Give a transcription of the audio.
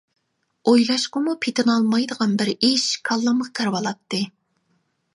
ئويلاشقىمۇ پېتىنالمايدىغان بىر ئىش كاللامغا كىرىۋالاتتى.